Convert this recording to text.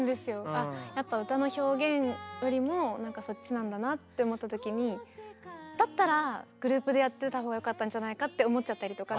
あやっぱ歌の表現よりもそっちなんだなって思った時にだったらグループでやってた方がよかったんじゃないかって思っちゃったりとか。